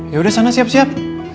yaudah sana siap siap